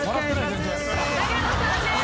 永野さんです。